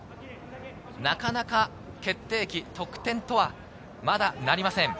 なかなか決定機、得点とはまだなりません。